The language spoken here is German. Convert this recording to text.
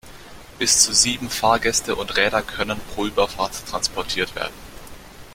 Bis zu sieben Fahrgäste und Räder können pro Überfahrt transportiert werden.